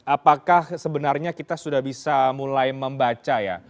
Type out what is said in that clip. apakah sebenarnya kita sudah bisa mulai membaca ya